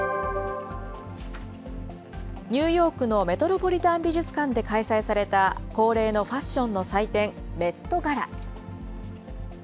ニューヨークのメトロポリタン美術館で開催された恒例のファッションの祭典、メットガラ。